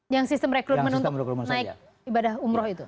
yang sistem rekrutmen untuk naik ibadah umroh itu